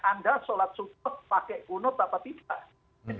anda sholat subuh pakai kunut apa tidak